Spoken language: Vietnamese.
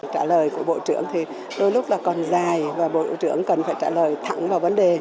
trả lời của bộ trưởng thì đôi lúc là còn dài và bộ trưởng cần phải trả lời thẳng vào vấn đề